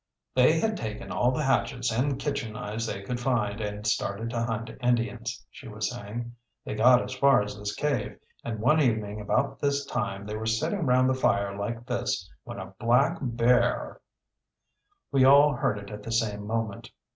"They had taken all the hatchets and kitchen knives they could find and started to hunt Indians," she was saying. "They got as far as this cave, and one evening about this time they were sitting round the fire like this when a black bear " We all heard it at the same moment.